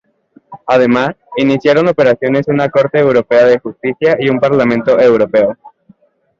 Además, iniciaron operaciones una Corte Europea de Justicia y un Parlamento Europeo.